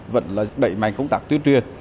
vẫn là đẩy mạnh công tác tuyên truyền